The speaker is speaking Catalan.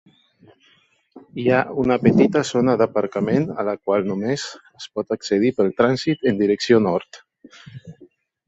Hi ha una petita zona d'aparcament a la qual només es pot accedir pel trànsit en direcció nord.